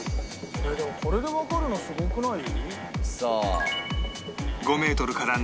でもこれでわかるのはすごくない？